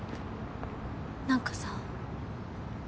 何かさ。